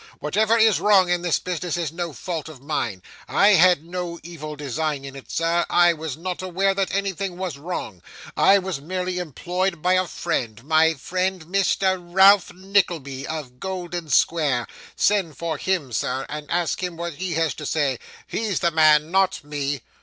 Whatever is wrong in this business is no fault of mine. I had no evil design in it, sir. I was not aware that anything was wrong. I was merely employed by a friend, my friend Mr. Ralph Nickleby, of Golden Square. Send for him, sir, and ask him what he has to say; he's the man; not me!"